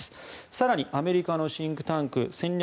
更にアメリカのシンクタンク戦略